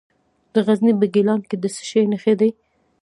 د غزني په ګیلان کې د څه شي نښې دي؟